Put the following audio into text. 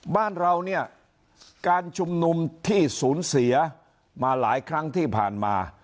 บ้านเราเนี่ยการชุมนุมที่สูญเสียมาหลายครั้งที่ผ่านมา